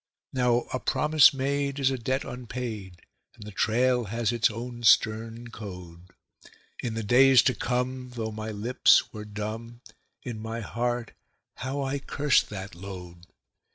Now a promise made is a debt unpaid, and the trail has its own stern code. In the days to come, though my lips were dumb, in my heart how I cursed that load.